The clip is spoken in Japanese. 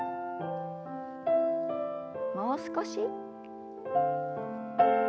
もう少し。